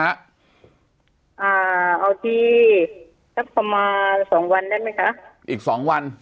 ก็บอกว่าอีกสองวัน